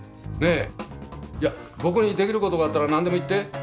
いやっ僕にできる事があったら何でも言って。